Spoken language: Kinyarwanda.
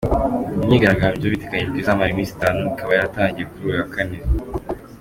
Iyi myigaragabyo biteganyijweko izamara iminsi itanu ikaba yaratangiye kuri uyu wa kane.